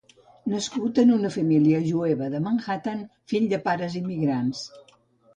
Nascut en una família jueva de Manhattan, fill de pares immigrants.